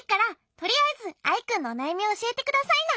とりあえずアイくんのおなやみをおしえてくださいな。